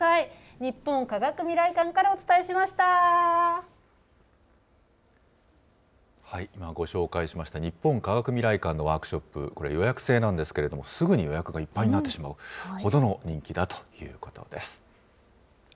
日本科学未来館からお伝えしましご紹介しました日本科学未来館のワークショップ、これ、予約制なんですけども、すぐに予約がいっぱいになってしまうほどの人気だということです。